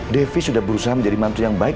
devi sudah berusaha menjadi mantu yang baik